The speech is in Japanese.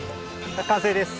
完成です。